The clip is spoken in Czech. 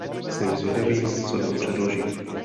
Jsem zvědavý, co nám předloží.